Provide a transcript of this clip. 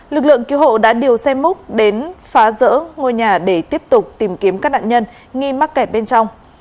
lực lượng cứu hộ đã điều xe múc đến phá rỡ ngôi nhà để tiếp tục tìm kiếm các nạn nhân nghi mắc kẹt bên trong